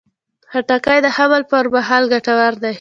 خټکی د حمل پر مهال ګټور دی.